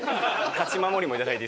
勝守もいただいて。